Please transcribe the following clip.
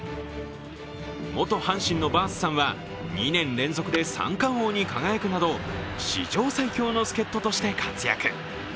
元阪神のバースさんは２年連続で三冠王に輝くなど史上最強の助っととして活躍。